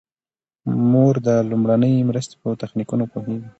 مور د لومړنۍ مرستې په تخنیکونو پوهیږي.